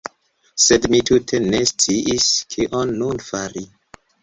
Sed mi tute ne sciis, kion nun fari.